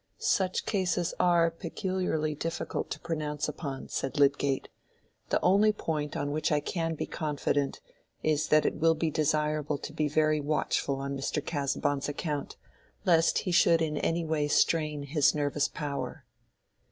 "Such cases are peculiarly difficult to pronounce upon," said Lydgate. "The only point on which I can be confident is that it will be desirable to be very watchful on Mr. Casaubon's account, lest he should in any way strain his nervous power."